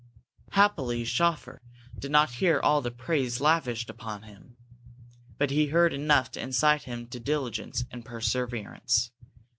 Happily Schoeffer did not hear all the praise lavished upon him, but he heard enough to incite him to diligence and perseverance.